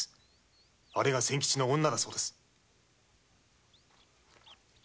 あれが仙吉の女だそうです。